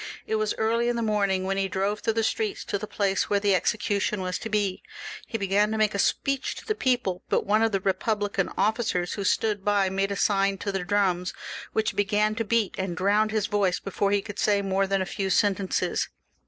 It was early in the morning when he drove through the streets to the place where the execution was to be. He began to make a speech to the people ; but one of the Eepublican officers who stood by made a sign to the drums, which began to beat, and drowned his voice before he could say more than a few sentences.